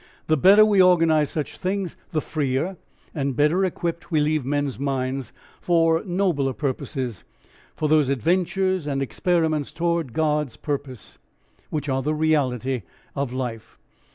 The better we organise such things, the freer and better equipped we leave men's minds for nobler purposes, for those adventures and experiments towards God's purpose which are the reality of life.